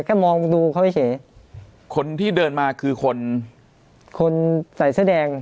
มองดูเขาเฉยคนที่เดินมาคือคนคนใส่เสื้อแดง